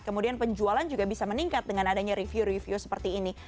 kemudian penjualan juga bisa meningkat dengan adanya review review seperti ini